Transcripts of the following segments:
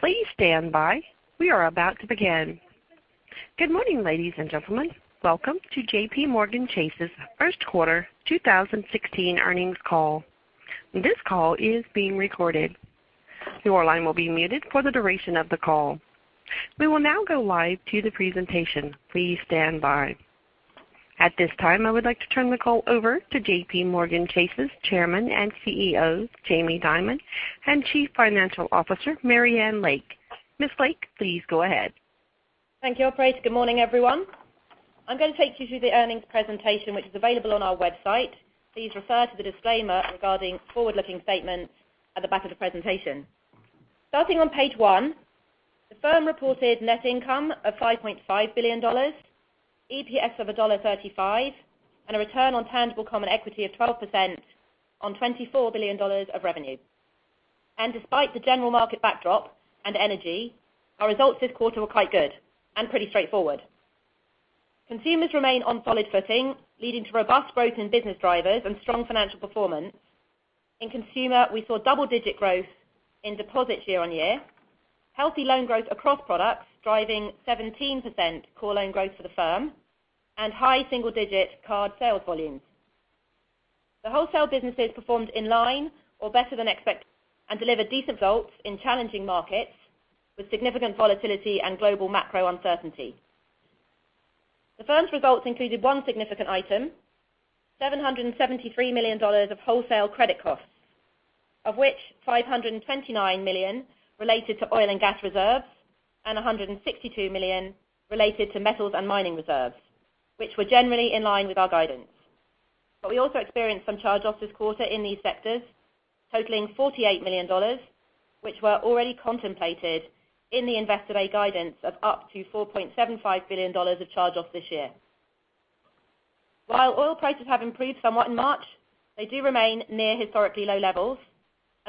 Please stand by. We are about to begin. Good morning, ladies and gentlemen. Welcome to JPMorgan Chase's first quarter 2016 earnings call. This call is being recorded. Your line will be muted for the duration of the call. We will now go live to the presentation. Please stand by. At this time, I would like to turn the call over to JPMorgan Chase's Chairman and CEO, Jamie Dimon, and Chief Financial Officer, Marianne Lake. Ms. Lake, please go ahead. Thank you, operator. Good morning, everyone. I'm going to take you through the earnings presentation, which is available on our website. Please refer to the disclaimer regarding forward-looking statements at the back of the presentation. Starting on page one, the firm reported net income of $5.5 billion, EPS of $1.35, and a return on tangible common equity of 12% on $24 billion of revenue. Despite the general market backdrop and energy, our results this quarter were quite good and pretty straightforward. Consumers remain on solid footing, leading to robust growth in business drivers and strong financial performance. In consumer, we saw double-digit growth in deposits year-over-year, healthy loan growth across products, driving 17% core loan growth for the firm, and high single-digit card sales volumes. The wholesale businesses performed in line or better than expected and delivered these results in challenging markets with significant volatility and global macro uncertainty. The firm's results included one significant item, $773 million of wholesale credit costs, of which $529 million related to oil and gas reserves and $162 million related to metals and mining reserves, which were generally in line with our guidance. We also experienced some charge-offs this quarter in these sectors, totaling $48 million, which were already contemplated in the Investor Day guidance of up to $4.75 billion of charge-offs this year. While oil prices have improved somewhat in March, they do remain near historically low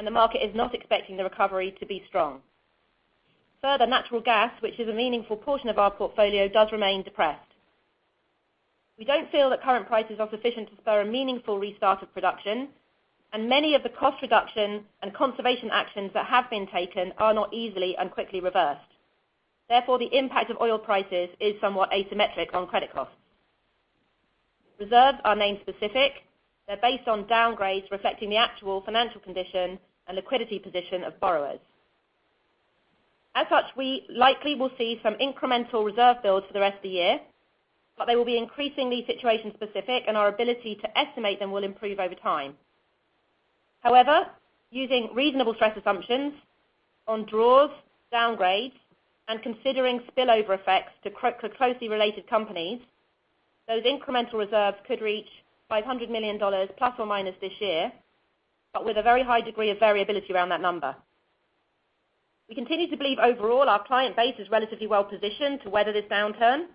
levels, and the market is not expecting the recovery to be strong. Further, natural gas, which is a meaningful portion of our portfolio, does remain depressed. We don't feel that current prices are sufficient to spur a meaningful restart of production, and many of the cost reduction and conservation actions that have been taken are not easily and quickly reversed. Therefore, the impact of oil prices is somewhat asymmetric on credit costs. Reserves are name specific. They're based on downgrades reflecting the actual financial condition and liquidity position of borrowers. As such, we likely will see some incremental reserve builds for the rest of the year, but they will be increasingly situation specific and our ability to estimate them will improve over time. However, using reasonable stress assumptions on draws, downgrades, and considering spillover effects to closely related companies, those incremental reserves could reach $500 million ± this year, with a very high degree of variability around that number. We continue to believe overall our client base is relatively well positioned to weather this downturn,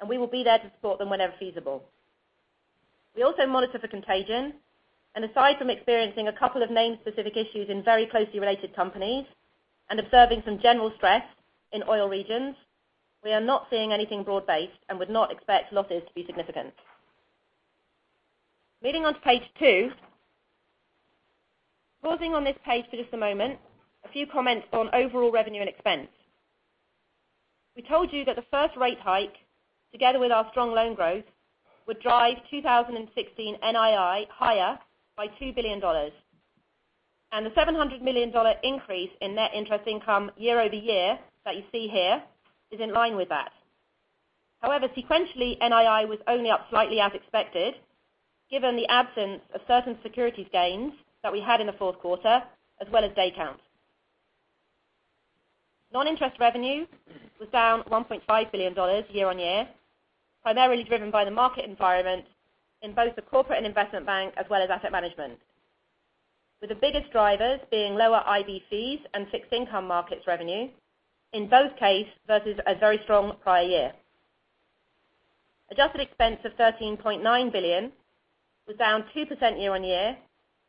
and we will be there to support them whenever feasible. We also monitor for contagion, and aside from experiencing a couple of name-specific issues in very closely related companies and observing some general stress in oil regions, we are not seeing anything broad-based and would not expect losses to be significant. Moving on to page two. Pausing on this page for just a moment, a few comments on overall revenue and expense. We told you that the first rate hike, together with our strong loan growth, would drive 2016 NII higher by $2 billion. The $700 million increase in net interest income year-over-year that you see here is in line with that. However, sequentially, NII was only up slightly as expected, given the absence of certain securities gains that we had in the fourth quarter, as well as day count. Non-interest revenue was down $1.5 billion year-on-year, primarily driven by the market environment in both the Corporate & Investment Bank as well as asset management, with the biggest drivers being lower IB fees and fixed income markets revenue, in both case, versus a very strong prior year. Adjusted expense of $13.9 billion was down 2% year-on-year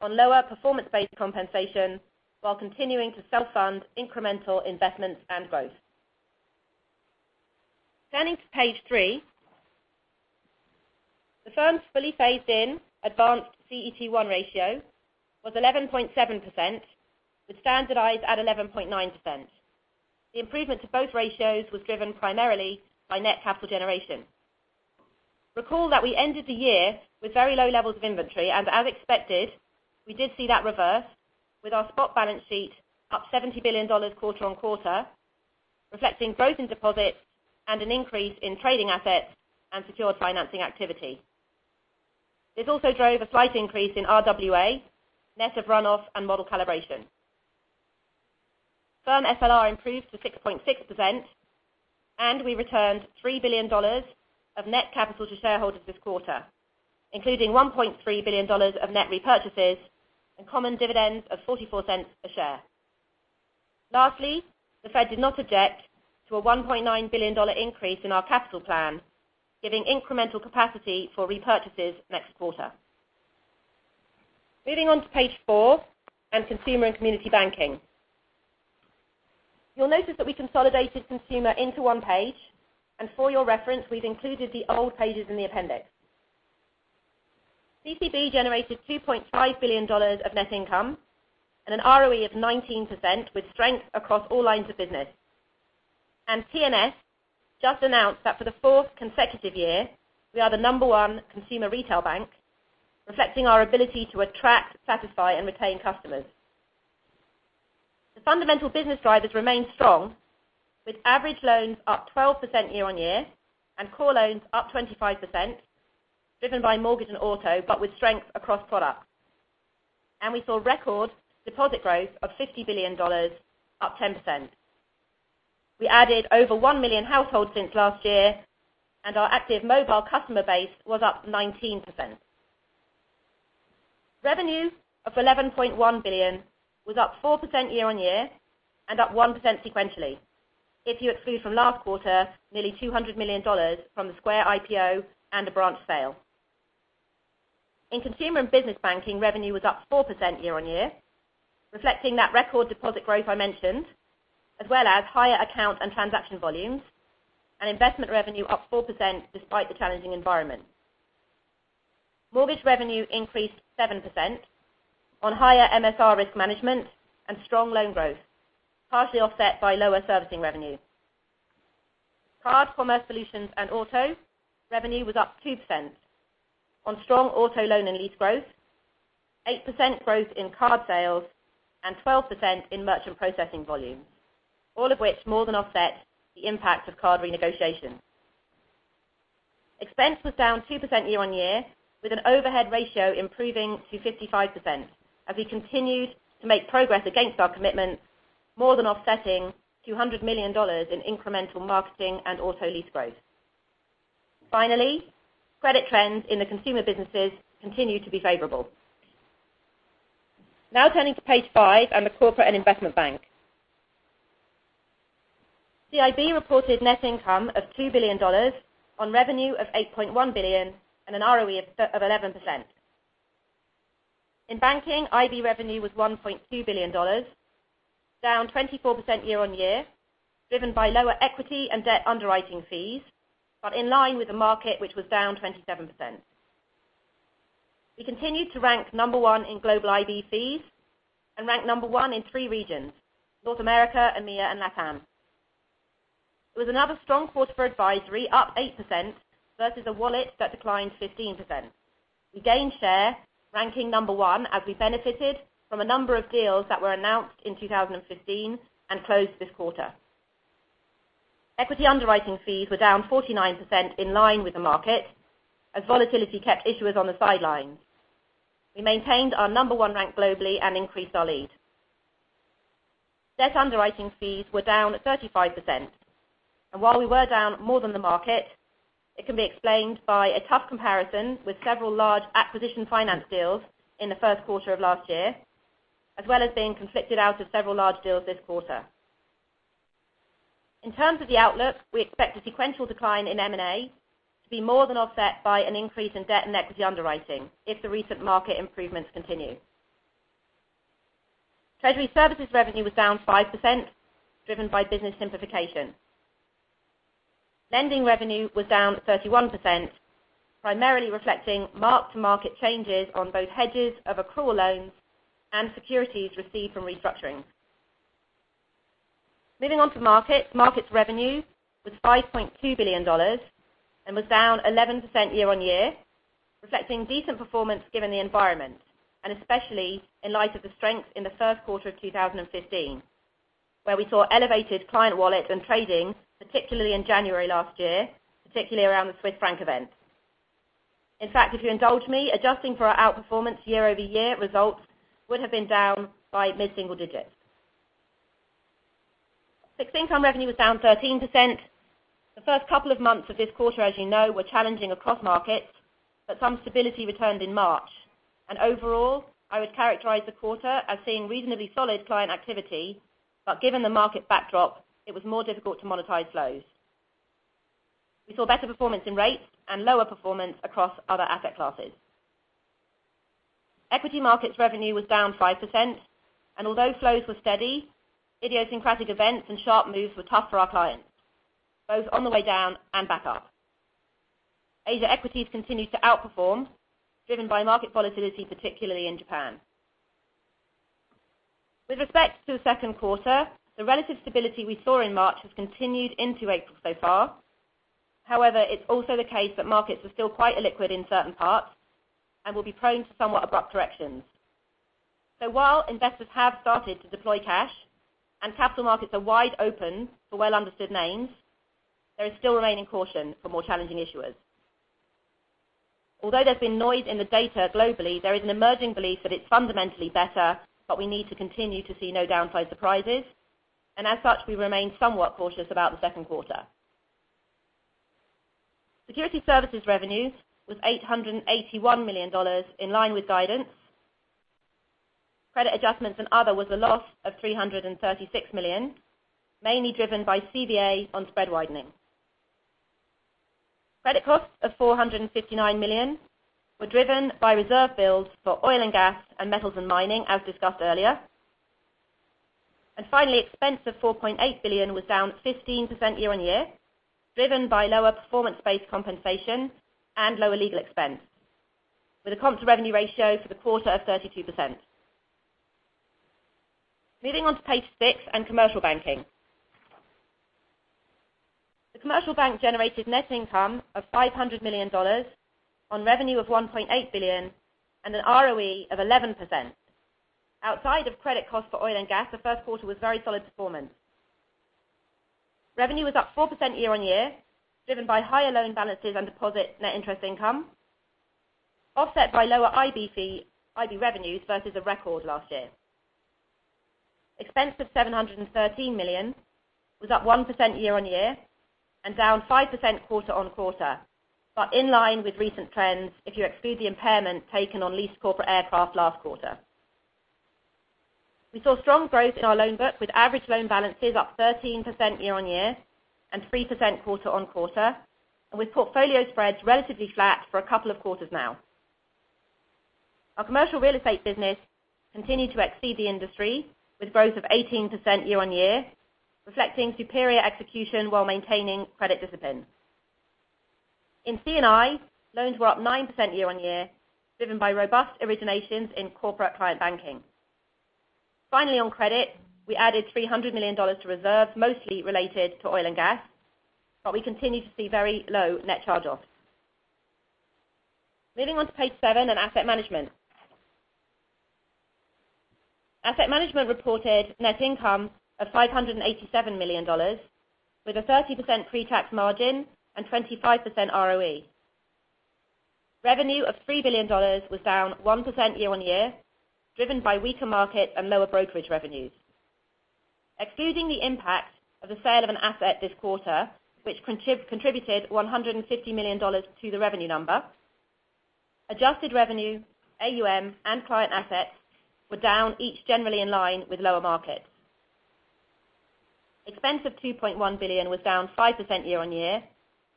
on lower performance-based compensation while continuing to self-fund incremental investments and growth. Turning to page three, the firm's fully phased in advanced CET1 ratio was 11.7%, with standardized at 11.9%. The improvement to both ratios was driven primarily by net capital generation. Recall that we ended the year with very low levels of inventory, and as expected, we did see that reverse with our spot balance sheet up $70 billion quarter-on-quarter, reflecting growth in deposits and an increase in trading assets and secured financing activity. This also drove a slight increase in RWA, net of runoff and model calibration. Firm SLR improved to 6.6%, and we returned $3 billion of net capital to shareholders this quarter, including $1.3 billion of net repurchases and common dividends of $0.44 a share. Lastly, the Fed did not object to a $1.9 billion increase in our capital plan, giving incremental capacity for repurchases next quarter. Moving on to page four on Consumer & Community Banking. You'll notice that we consolidated consumer into one page, and for your reference, we've included the old pages in the appendix. CCB generated $2.5 billion of net income and an ROE of 19% with strength across all lines of business. TNS just announced that for the fourth consecutive year, we are the number one consumer retail bank, reflecting our ability to attract, satisfy, and retain customers. The fundamental business drivers remain strong, with average loans up 12% year-on-year and core loans up 25%, driven by mortgage and auto, but with strength across products. We saw record deposit growth of $50 billion, up 10%. We added over one million households since last year, and our active mobile customer base was up 19%. Revenue of $11.1 billion was up 4% year-on-year and up 1% sequentially. If you exclude from last quarter, nearly $200 million from the Square IPO and a branch sale. In consumer and business banking, revenue was up 4% year-over-year, reflecting that record deposit growth I mentioned, as well as higher account and transaction volumes, and investment revenue up 4% despite the challenging environment. Mortgage revenue increased 7% on higher MSR risk management and strong loan growth, partially offset by lower servicing revenue. Card, commerce solutions and auto revenue was up 2% on strong auto loan and lease growth, 8% growth in card sales and 12% in merchant processing volume, all of which more than offset the impact of card renegotiation. Expense was down 2% year-over-year, with an overhead ratio improving to 55% as we continued to make progress against our commitments, more than offsetting $200 million in incremental marketing and auto lease growth. Finally, credit trends in the consumer businesses continue to be favorable. Now turning to page five and the Corporate & Investment Bank. CIB reported net income of $2 billion on revenue of $8.1 billion and an ROE of 11%. In banking, IB revenue was $1.2 billion, down 24% year-over-year, driven by lower equity and debt underwriting fees, but in line with the market, which was down 27%. We continued to rank number one in global IB fees and ranked number one in three regions, North America, EMEA, and LATAM. It was another strong quarter for advisory, up 8% versus a wallet that declined 15%. We gained share ranking number one as we benefited from a number of deals that were announced in 2015 and closed this quarter. Equity underwriting fees were down 49%, in line with the market, as volatility kept issuers on the sidelines. We maintained our number one rank globally and increased our lead. Debt underwriting fees were down 35%. While we were down more than the market, it can be explained by a tough comparison with several large acquisition finance deals in the first quarter of last year, as well as being conflicted out of several large deals this quarter. In terms of the outlook, we expect a sequential decline in M&A to be more than offset by an increase in debt and equity underwriting if the recent market improvements continue. Treasury services revenue was down 5%, driven by business simplification. Lending revenue was down 31%, primarily reflecting mark-to-market changes on both hedges of accrual loans and securities received from restructuring. Moving on to markets. Markets revenue was $5.2 billion and was down 11% year-over-year, reflecting decent performance given the environment, and especially in light of the strength in the first quarter of 2015, where we saw elevated client wallets and trading, particularly in January last year, particularly around the Swiss franc event. In fact, if you indulge me, adjusting for our outperformance year-over-year results would have been down by mid-single digits. Fixed income revenue was down 13%. The first couple of months of this quarter, as you know, were challenging across markets, but some stability returned in March. Overall, I would characterize the quarter as seeing reasonably solid client activity, but given the market backdrop, it was more difficult to monetize flows. We saw better performance in rates and lower performance across other asset classes. Equity markets revenue was down 5%. Although flows were steady, idiosyncratic events and sharp moves were tough for our clients, both on the way down and back up. Asia equities continued to outperform, driven by market volatility, particularly in Japan. With respect to the second quarter, the relative stability we saw in March has continued into April so far. It's also the case that markets are still quite illiquid in certain parts and will be prone to somewhat abrupt corrections. While investors have started to deploy cash and capital markets are wide open for well-understood names, there is still remaining caution for more challenging issuers. Although there's been noise in the data globally, there is an emerging belief that it's fundamentally better, we need to continue to see no downside surprises. As such, we remain somewhat cautious about the second quarter. Security services revenue was $881 million, in line with guidance. Credit adjustments and other was a loss of $336 million, mainly driven by CVA on spread widening. Credit costs of $459 million were driven by reserve builds for oil and gas and metals and mining, as discussed earlier. Finally, expense of $4.8 billion was down 15% year-on-year, driven by lower performance-based compensation and lower legal expense, with a comp-to-revenue ratio for the quarter of 32%. Moving on to page six and Commercial Banking. The Commercial Bank generated net income of $500 million on revenue of $1.8 billion and an ROE of 11%. Outside of credit costs for oil and gas, the first quarter was very solid performance. Revenue was up 4% year-on-year, driven by higher loan balances and deposit net interest income, offset by lower IB revenues versus a record last year. Expense of $713 million was up 1% year-on-year and down 5% quarter-on-quarter, in line with recent trends if you exclude the impairment taken on leased corporate aircraft last quarter. We saw strong growth in our loan book, with average loan balances up 13% year-on-year and 3% quarter-on-quarter, with portfolio spreads relatively flat for a couple of quarters now. Our commercial real estate business continued to exceed the industry, with growth of 18% year-on-year, reflecting superior execution while maintaining credit discipline. In C&I, loans were up 9% year-on-year, driven by robust originations in corporate client banking. Finally, on credit, we added $300 million to reserves, mostly related to oil and gas, we continue to see very low net charge-offs. Moving on to page seven and Asset Management. Asset Management reported net income of $587 million, with a 30% pre-tax margin and 25% ROE. Revenue of $3 billion was down 1% year-on-year, driven by weaker markets and lower brokerage revenues. Excluding the impact of the sale of an asset this quarter, which contributed $150 million to the revenue number, adjusted revenue, AUM, and client assets were down each generally in line with lower markets. Expense of $2.1 billion was down 5% year-on-year,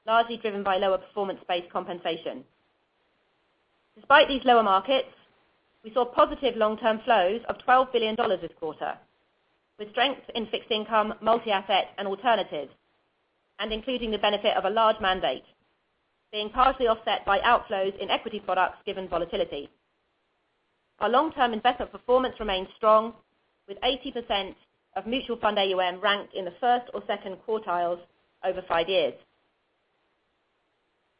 largely driven by lower performance-based compensation. Despite these lower markets, we saw positive long-term flows of $12 billion this quarter, with strength in fixed income, multi-asset and alternatives, including the benefit of a large mandate, being partially offset by outflows in equity products given volatility. Our long-term investment performance remains strong, with 80% of mutual fund AUM ranked in the first or second quartiles over five years.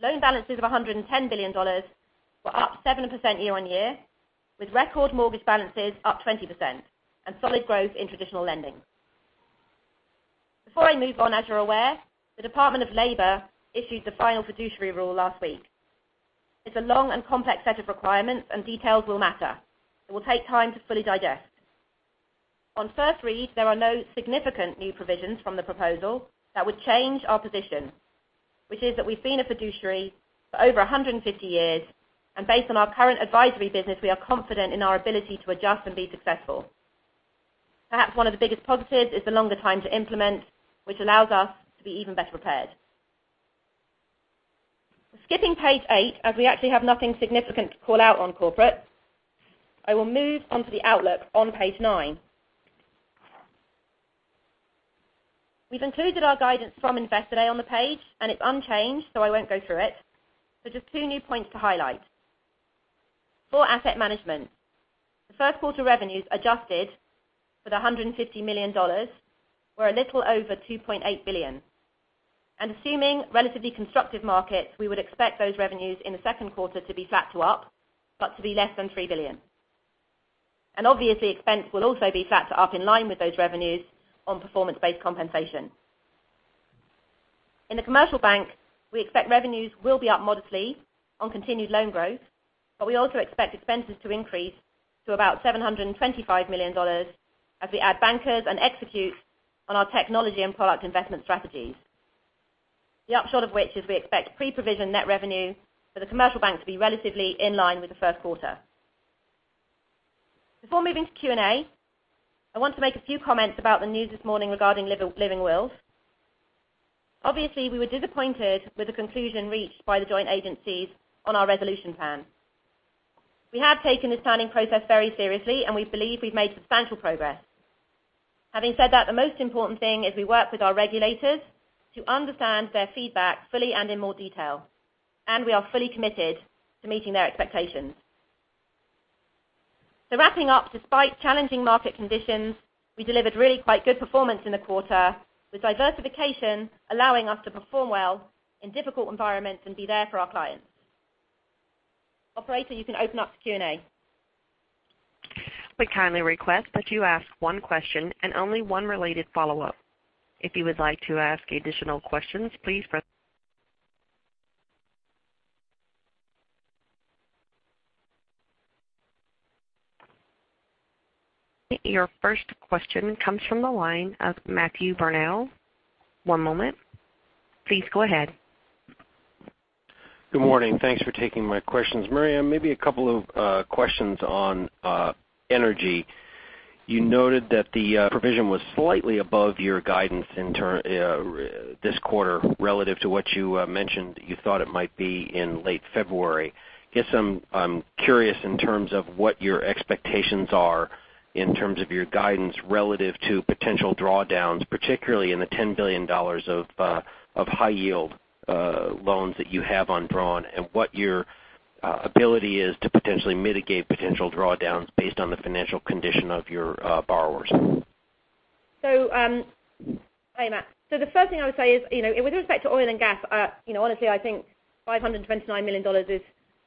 Loan balances of $110 billion were up 7% year-on-year, with record mortgage balances up 20% and solid growth in traditional lending. Before I move on, as you're aware, the Department of Labor issued the final fiduciary rule last week. It's a long and complex set of requirements, and details will matter. It will take time to fully digest. On first read, there are no significant new provisions from the proposal that would change our position, which is that we've been a fiduciary for over 150 years, and based on our current advisory business, we are confident in our ability to adjust and be successful. Perhaps one of the biggest positives is the longer time to implement, which allows us to be even better prepared. Skipping page eight, as we actually have nothing significant to call out on corporate, I will move on to the outlook on page nine. We've included our guidance from Investor Day on the page. It's unchanged, I won't go through it. Just two new points to highlight. For asset management, the first quarter revenues adjusted for the $150 million were a little over $2.8 billion. Assuming relatively constructive markets, we would expect those revenues in the second quarter to be flat to up, but to be less than $3 billion. Obviously, expense will also be flat to up in line with those revenues on performance-based compensation. In the Commercial Bank, we expect revenues will be up modestly on continued loan growth, but we also expect expenses to increase to about $725 million as we add bankers and execute on our technology and product investment strategies. The upshot of which is we expect pre-provision net revenue for the Commercial Bank to be relatively in line with the first quarter. Before moving to Q&A, I want to make a few comments about the news this morning regarding Living Wills. Obviously, we were disappointed with the conclusion reached by the joint agencies on our resolution plan. We have taken this planning process very seriously, and we believe we've made substantial progress. Having said that, the most important thing is we work with our regulators to understand their feedback fully and in more detail, and we are fully committed to meeting their expectations. Wrapping up, despite challenging market conditions, we delivered really quite good performance in the quarter, with diversification allowing us to perform well in difficult environments and be there for our clients. Operator, you can open up to Q&A. We kindly request that you ask one question and only one related follow-up. If you would like to ask additional questions, please press Your first question comes from the line of Matthew Burnell. One moment. Please go ahead. Good morning. Thanks for taking my questions. Marianne, maybe a couple of questions on energy. You noted that the provision was slightly above your guidance this quarter relative to what you mentioned you thought it might be in late February. I guess I'm curious in terms of what your expectations are in terms of your guidance relative to potential drawdowns, particularly in the $10 billion of high yield loans that you have undrawn, and what your ability is to potentially mitigate potential drawdowns based on the financial condition of your borrowers. Hi, Matt. The first thing I would say is, with respect to oil and gas, honestly, I think $529 million is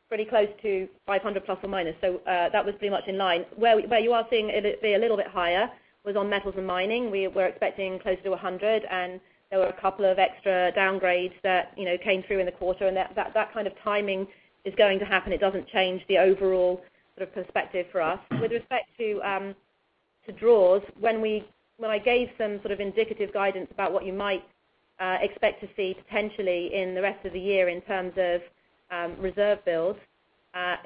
pretty close to 500 plus or minus. That was pretty much in line. Where you are seeing it be a little bit higher was on metals and mining. We were expecting close to 100. There were a couple of extra downgrades that came through in the quarter. That kind of timing is going to happen. It doesn't change the overall sort of perspective for us. With respect to draws, when I gave some sort of indicative guidance about what you might expect to see potentially in the rest of the year in terms of reserve builds,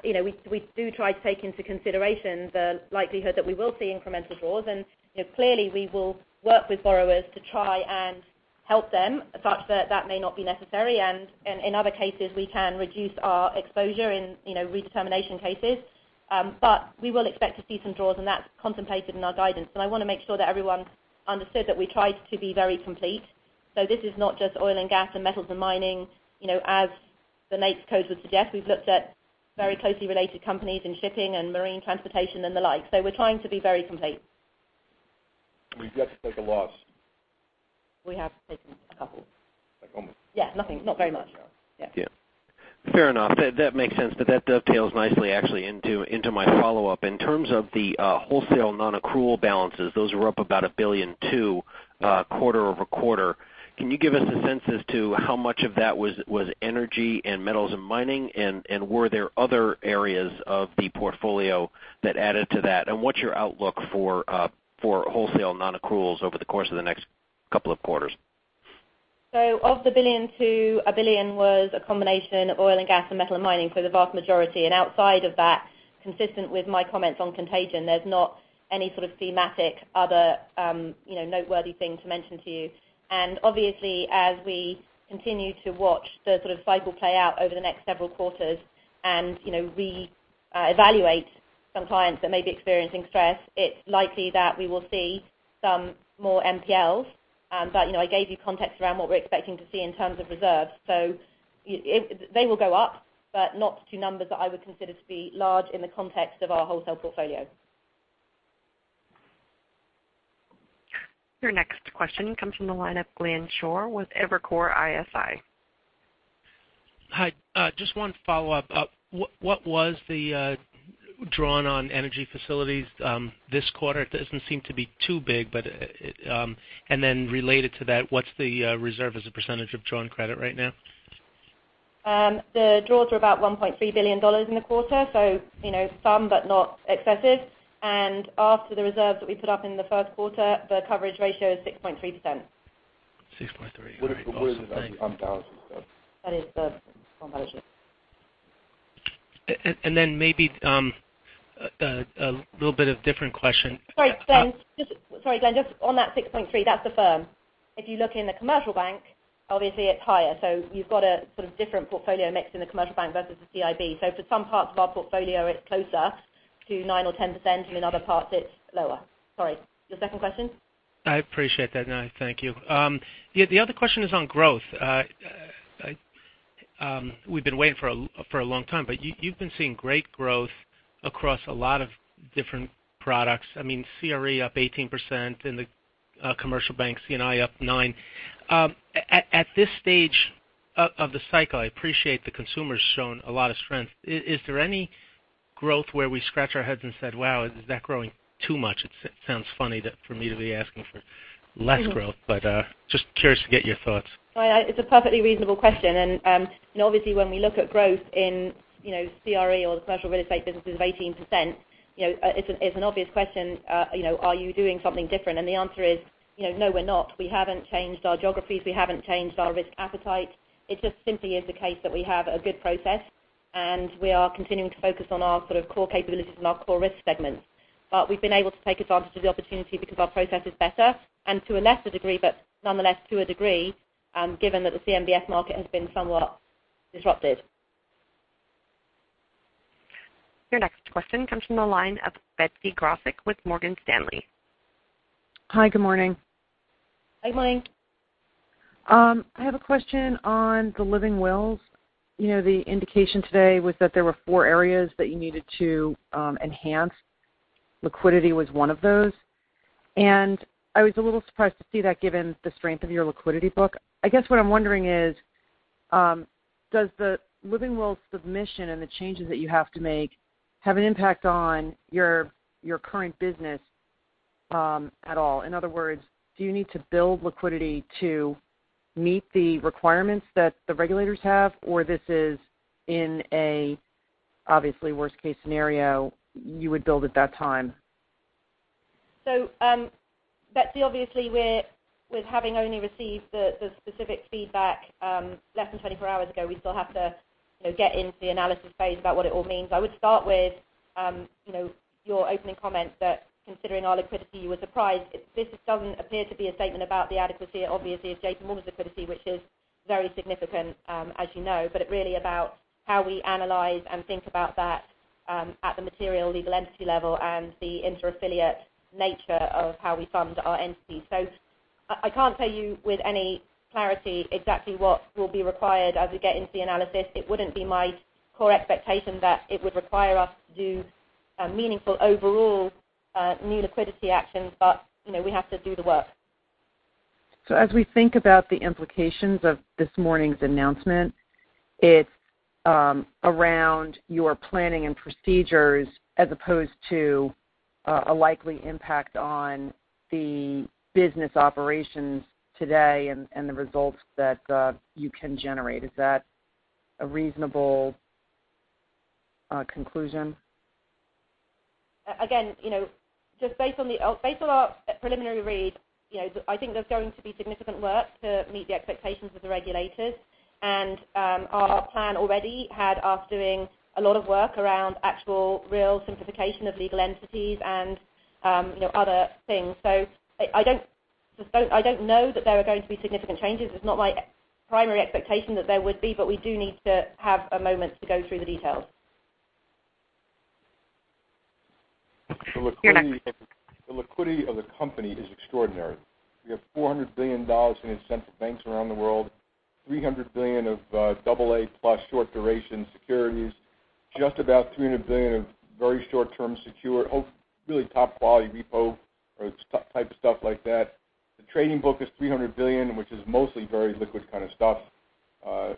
we do try to take into consideration the likelihood that we will see incremental draws. Clearly, we will work with borrowers to try and help them such that that may not be necessary. In other cases, we can reduce our exposure in redetermination cases. We will expect to see some draws, and that's contemplated in our guidance. I want to make sure that everyone understood that we tried to be very complete. This is not just oil and gas and metals and mining. As the NAICS codes would suggest, we've looked at very closely related companies in shipping and marine transportation and the like. We're trying to be very complete. We've yet to take a loss. We have taken a couple. Like almost. Yeah. Nothing. Not very much. Yeah. Yeah. Fair enough. That makes sense. That dovetails nicely actually into my follow-up. In terms of the wholesale non-accrual balances, those were up about $1.2 billion quarter-over-quarter. Can you give us a sense as to how much of that was energy and metals and mining? Were there other areas of the portfolio that added to that? What's your outlook for wholesale non-accruals over the course of the next couple of quarters? Of the $1.2 billion was a combination of oil and gas and metal and mining for the vast majority. Outside of that, consistent with my comments on contagion, there's not any sort of thematic other noteworthy thing to mention to you. Obviously, as we continue to watch the sort of cycle play out over the next several quarters, and we evaluate some clients that may be experiencing stress, it's likely that we will see some more NPLs. I gave you context around what we're expecting to see in terms of reserves. They will go up, but not to numbers that I would consider to be large in the context of our wholesale portfolio. Your next question comes from the line of Glenn Schorr with Evercore ISI. Hi. Just one follow-up. What was the drawn on energy facilities this quarter? It doesn't seem to be too big, but related to that, what's the reserve as a percentage of drawn credit right now? The draws were about $1.3 billion in the quarter, some but not excessive. After the reserves that we put up in the first quarter, the coverage ratio is 6.3%. 6.3. All right. Awesome. Thank you. What is the combined ratio though? That is the combined ratio. Maybe a little bit of different question. Sorry, Glenn, just on that 6.3, that's the firm. If you look in the commercial bank, obviously it's higher. You've got a sort of different portfolio mix in the commercial bank versus the CIB. For some parts of our portfolio, it's closer to 9% or 10%, and in other parts it's lower. Sorry. Your second question? I appreciate that. No, thank you. The other question is on growth. We've been waiting for a long time, you've been seeing great growth across a lot of different products. I mean, CRE up 18% in the commercial bank, C&I up nine. At this stage of the cycle, I appreciate the consumer's shown a lot of strength. Is there any growth where we scratch our heads and said, "Wow, is that growing too much?" It sounds funny that for me to be asking for less growth, just curious to get your thoughts. It's a perfectly reasonable question. Obviously when we look at growth in CRE or the commercial real estate businesses of 18%, it's an obvious question, are you doing something different? The answer is, no, we're not. We haven't changed our geographies. We haven't changed our risk appetite. It just simply is the case that we have a good process, and we are continuing to focus on our sort of core capabilities and our core risk segments. We've been able to take advantage of the opportunity because our process is better, and to a lesser degree, but nonetheless to a degree, given that the CMBS market has been somewhat disrupted. Your next question comes from the line of Betsy Graseck with Morgan Stanley. Hi, good morning. Hi, Betsy. I have a question on the living wills. The indication today was that there were four areas that you needed to enhance. Liquidity was one of those. I was a little surprised to see that given the strength of your liquidity book. I guess what I'm wondering is, does the living will submission and the changes that you have to make have an impact on your current business at all? In other words, do you need to build liquidity to meet the requirements that the regulators have? This is in a obviously worst-case scenario, you would build at that time? Betsy, obviously with having only received the specific feedback less than 24 hours ago, we still have to get into the analysis phase about what it all means. I would start with your opening comment that considering our liquidity, you were surprised. This doesn't appear to be a statement about the adequacy, obviously, of JPMorgan's liquidity, which is very significant, as you know, but it really about how we analyze and think about that at the material legal entity level and the inter-affiliate nature of how we fund our entities. I can't tell you with any clarity exactly what will be required as we get into the analysis. It wouldn't be my core expectation that it would require us to do a meaningful overall new liquidity actions. We have to do the work. As we think about the implications of this morning's announcement, it's around your planning and procedures as opposed to a likely impact on the business operations today and the results that you can generate. Is that a reasonable conclusion? Again, just based on our preliminary read, I think there's going to be significant work to meet the expectations of the regulators. Our plan already had us doing a lot of work around actual, real simplification of legal entities and other things. I don't know that there are going to be significant changes. It's not my primary expectation that there would be, but we do need to have a moment to go through the details. Your next- The liquidity of the company is extraordinary. We have $400 billion in essential banks around the world, $300 billion of AA+ short duration securities, just about $300 billion of very short-term secure, really top-quality repo or type of stuff like that. The trading book is $300 billion, which is mostly very liquid kind of stuff. The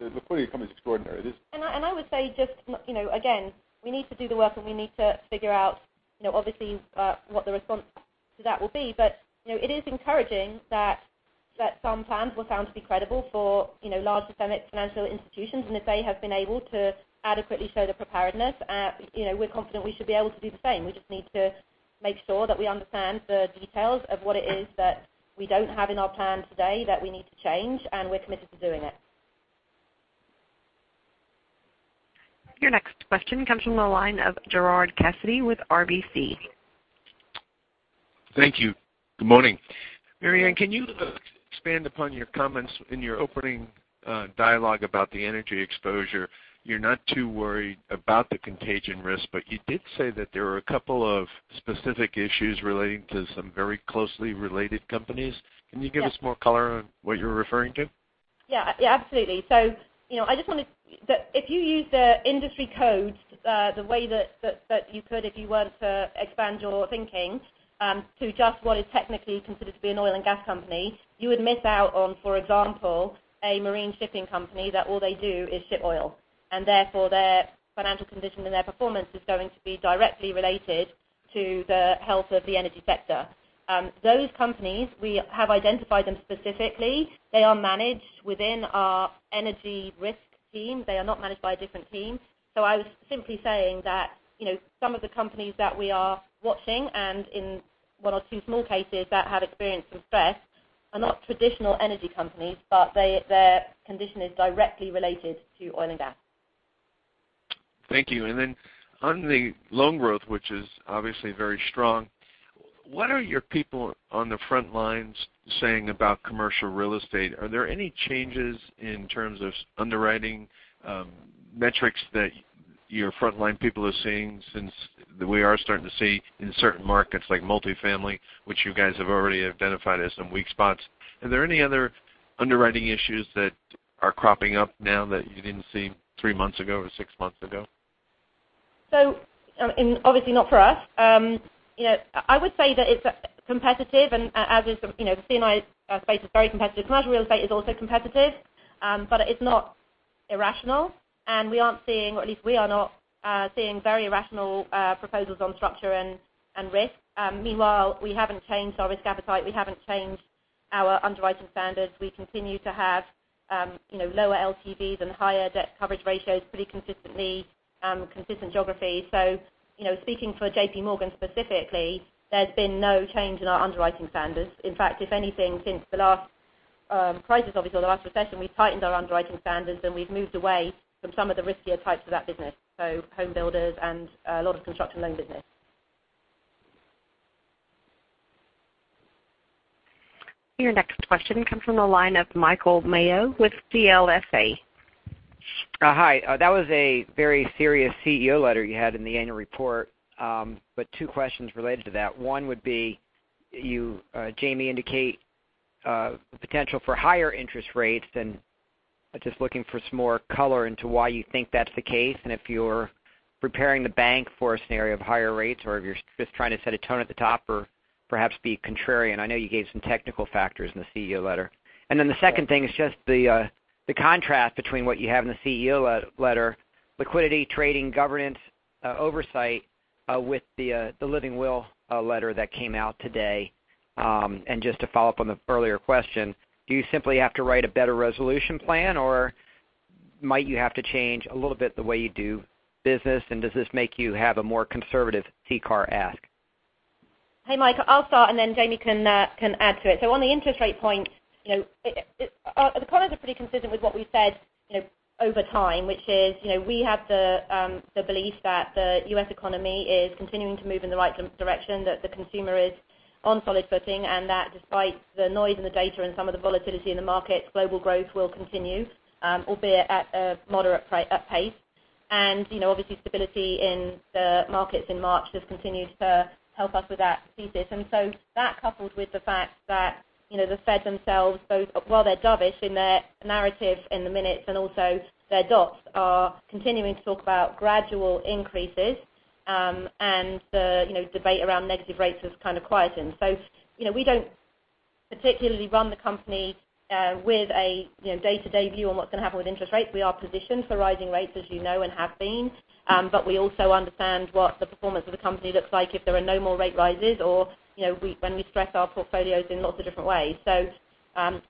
liquidity of the company is extraordinary. I would say just, again, we need to do the work, and we need to figure out, obviously, what the response to that will be. It is encouraging that some plans were found to be credible for large systemic financial institutions, and if they have been able to adequately show their preparedness, we're confident we should be able to do the same. We just need to make sure that we understand the details of what it is that we don't have in our plan today that we need to change, and we're committed to doing it. Your next question comes from the line of Gerard Cassidy with RBC. Thank you. Good morning. Marianne, can you expand upon your comments in your opening dialogue about the energy exposure? You're not too worried about the contagion risk, but you did say that there were a couple of specific issues relating to some very closely related companies. Yes. Can you give us more color on what you're referring to? Yeah, absolutely. If you use the industry codes the way that you could if you were to expand your thinking to just what is technically considered to be an oil and gas company, you would miss out on, for example, a marine shipping company that all they do is ship oil. Therefore, their financial condition and their performance is going to be directly related to the health of the energy sector. Those companies, we have identified them specifically. They are managed within our energy risk team. They are not managed by a different team. I was simply saying that some of the companies that we are watching, and in one or two small cases that have experienced some stress, are not traditional energy companies, but their condition is directly related to oil and gas. Thank you. On the loan growth, which is obviously very strong, what are your people on the front lines saying about commercial real estate? Are there any changes in terms of underwriting metrics that your frontline people are seeing since we are starting to see in certain markets like multi-family, which you guys have already identified as some weak spots? Are there any other underwriting issues that are cropping up now that you didn't see three months ago or six months ago? Obviously not for us. I would say that it's competitive and as is the C&I space is very competitive. Commercial real estate is also competitive. It's not irrational, and we aren't seeing, or at least we are not seeing very irrational proposals on structure and risk. Meanwhile, we haven't changed our risk appetite. We haven't changed our underwriting standards. We continue to have lower LTVs and higher debt coverage ratios pretty consistently, consistent geography. Speaking for J.P. Morgan specifically, there's been no change in our underwriting standards. In fact, if anything, since the last crisis, obviously, or the last recession, we've tightened our underwriting standards, and we've moved away from some of the riskier types of that business. Home builders and a lot of construction loan business. Your next question comes from the line of Mike Mayo with CLSA. Hi. That was a very serious CEO Letter you had in the annual report. Two questions related to that. One would be, Jamie, indicate the potential for higher interest rates, and just looking for some more color into why you think that's the case, and if you're preparing the bank for a scenario of higher rates, or if you're just trying to set a tone at the top or perhaps be contrarian. I know you gave some technical factors in the CEO Letter. The second thing is just the contrast between what you have in the CEO Letter, liquidity, trading, governance, oversight with the Living Will Letter that came out today. Just to follow up on the earlier question, do you simply have to write a better Resolution Plan or might you have to change a little bit the way you do business, and does this make you have a more conservative CCAR ask? Hey, Mike, I'll start, and then Jamie can add to it. On the interest rate point, the comments are pretty consistent with what we said over time, which is we have the belief that the U.S. economy is continuing to move in the right direction, that the consumer is on solid footing, and that despite the noise in the data and some of the volatility in the market, global growth will continue, albeit at a moderate pace. Obviously stability in the markets in March has continued to help us with that thesis. That coupled with the fact that the Fed themselves, while they're dovish in their narrative in the minutes, and also their dots are continuing to talk about gradual increases. The debate around negative rates is kind of quietening. We don't particularly run the company with a day-to-day view on what's going to happen with interest rates. We are positioned for rising rates, as you know, and have been. We also understand what the performance of the company looks like if there are no more rate rises or when we stress our portfolios in lots of different ways.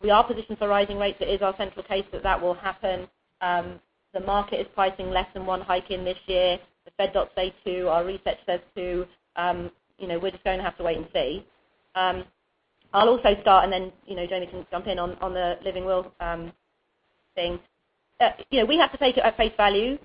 We are positioned for rising rates. It is our central case that that will happen. The market is pricing less than one hike in this year. The Fed docs say two. Our research says two. We're just going to have to wait and see. I'll also start, and then Jamie can jump in on the Living Will thing. We have to take it at face value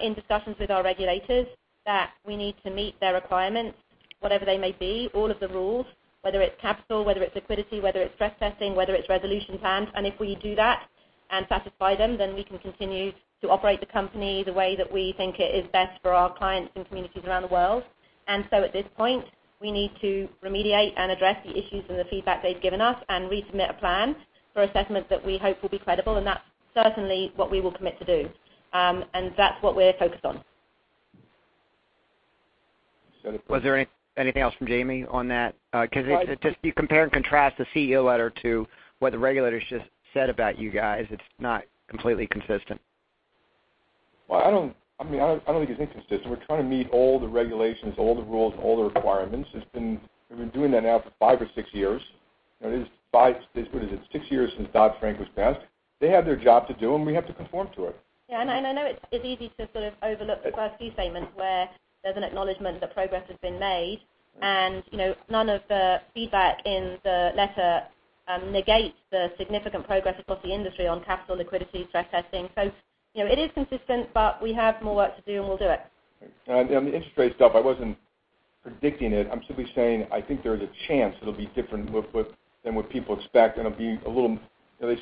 in discussions with our regulators that we need to meet their requirements, whatever they may be, all of the rules. Whether it's capital, whether it's liquidity, whether it's stress testing, whether it's resolution plans. If we do that and satisfy them, then we can continue to operate the company the way that we think it is best for our clients and communities around the world. At this point, we need to remediate and address the issues and the feedback they've given us and resubmit a plan for assessment that we hope will be credible. That's certainly what we will commit to do. That's what we're focused on. Was there anything else from Jamie on that? Because if you compare and contrast the CEO letter to what the regulators just said about you guys, it's not completely consistent. Well, I don't think it's inconsistent. We're trying to meet all the regulations, all the rules, and all the requirements. We've been doing that now for five or six years. What is it, six years since Dodd-Frank was passed. They have their job to do, and we have to conform to it. Yeah. I know it's easy to sort of overlook the first few statements where there's an acknowledgment that progress has been made. None of the feedback in the letter negates the significant progress across the industry on capital liquidity stress testing. It is consistent, but we have more work to do, and we'll do it. On the interest rate stuff, I wasn't predicting it. I'm simply saying, I think there is a chance it'll be different than what people expect, and they say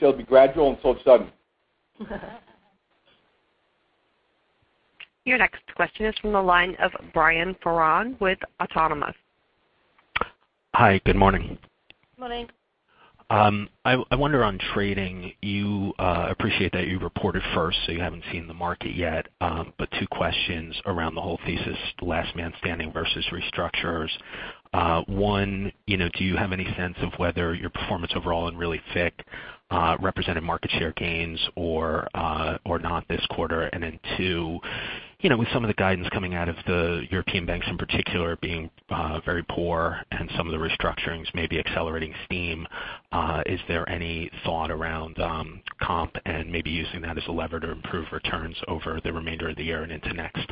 it'll be gradual until it's sudden. Your next question is from the line of Brian Foran with Autonomous. Hi, good morning. Morning. I wonder on trading, appreciate that you reported first, so you haven't seen the market yet. Two questions around the whole thesis, last man standing versus restructures. One, do you have any sense of whether your performance overall in really FIC represented market share gains or not this quarter? Two, with some of the guidance coming out of the European banks in particular being very poor and some of the restructurings maybe accelerating steam, is there any thought around comp and maybe using that as a lever to improve returns over the remainder of the year and into next?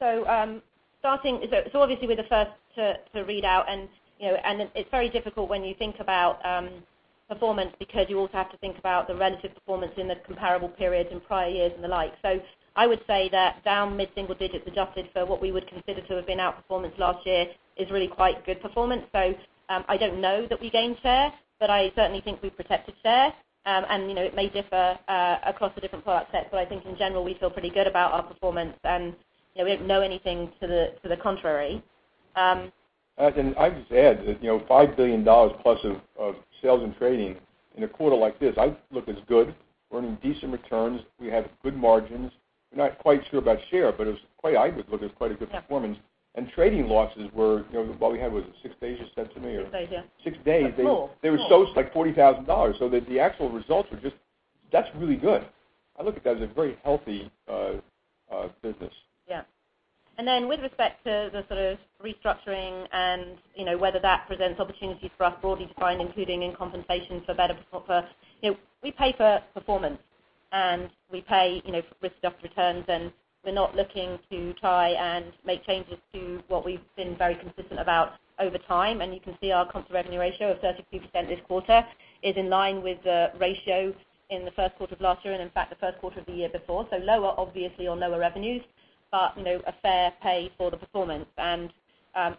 Obviously we're the first to read out, and it's very difficult when you think about performance because you also have to think about the relative performance in the comparable periods in prior years and the like. I would say that down mid-single digits, adjusted for what we would consider to have been outperformance last year, is really quite good performance. I don't know that we gained share, but I certainly think we protected share. It may differ across the different product sets, but I think in general, we feel pretty good about our performance, and we don't know anything to the contrary. I'd just add that $5 billion plus of sales and trading in a quarter like this, I look as good. We're earning decent returns. We had good margins. We're not quite sure about share, but I would look at it as quite a good performance. Trading losses were, what we had was it six days you said to me? Six days, yeah. Six days. small. They were so like $40,000. The actual results were just That's really good. I look at that as a very healthy business. Yeah. Then with respect to the sort of restructuring and whether that presents opportunities for us broadly defined, including in compensation for better performance. We pay for performance, and we pay risk-adjusted returns, and we're not looking to try and make changes to what we've been very consistent about over time. You can see our cost to revenue ratio of 33% this quarter is in line with the ratio in the first quarter of last year, in fact the first quarter of the year before. Lower obviously on lower revenues, but a fair pay for the performance.